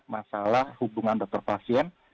masalah hubungan dokter pasien